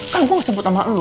kan gue sebut sama lo